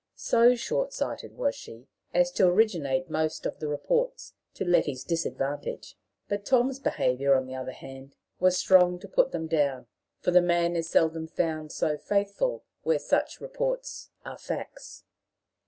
So short sighted was she as to originate most of the reports to Letty's disadvantage; but Tom's behavior, on the other hand, was strong to put them down; for the man is seldom found so faithful where such reports are facts.